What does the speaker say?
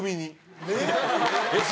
えっ！？